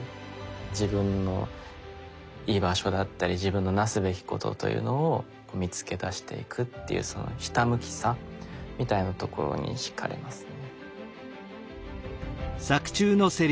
自分の居場所だったり自分のなすべきことというのを見つけ出していくというひたむきさみたいなところにひかれますね。